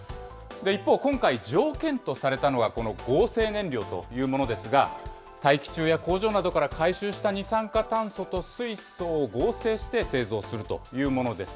一方、今回、条件とされたのは、この合成燃料というものですが、大気中や工場などから回収した二酸化炭素と水素を合成して製造するというものです。